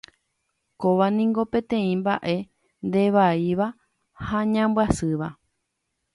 Kóva niko peteĩ mbaʼe ndevaíva ha ñambyasýva.